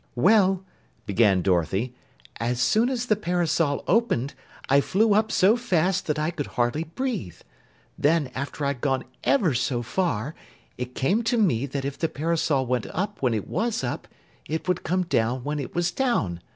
"Well," began Dorothy, "as soon as the parasol opened, I flew up so fast that I could hardly breathe. Then, after I'd gone ever so far, it came to me that if the parasol went up when it was up, it would come down when it was down.